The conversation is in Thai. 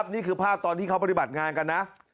นี่คือภาพตอนที่เขาปฏิบัติงานกันนะ